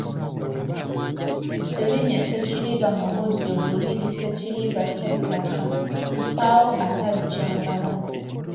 Erinnya Ssekiriba mu bujjuvu liri Ssekiriba kya ttaka mpaawo atalikyambala.